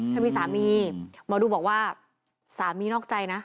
เธอมีสามีหมอดูบอกว่าสามีนอกใจนะ